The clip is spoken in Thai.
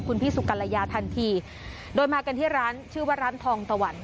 คุณพี่สุกัลยาทันทีโดยมากันที่ร้านชื่อว่าร้านทองตะวัน